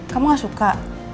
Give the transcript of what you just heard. kamu gak suka